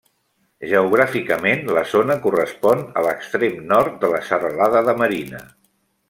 Geogràficament, la zona correspon a l'extrem nord de la Serralada de Marina.